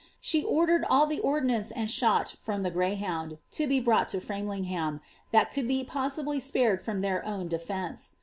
She orilcred all llw ' Ordnance and shot from ihe Greyhound, to be brought lo FramlinghatS, Xhmt cotdd be possibly spared from its own defence.